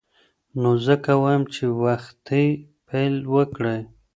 نو ځکه وایم چې وختي پیل وکړئ.